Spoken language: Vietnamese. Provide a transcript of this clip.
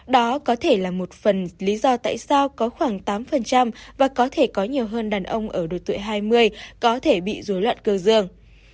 đó có thể là một phần lý do tại sao có khoảng tám và có thể có nhiều hơn đàn ông ở độ tuổi hai mươi có thể bị rối loạn cơ dương